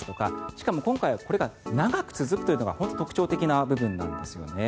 しかも今回はこれが長く続くというのが特徴的な部分なんですよね。